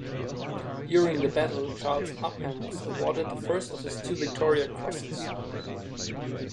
During the battle, Charles Upham was awarded the first of his two Victoria Crosses.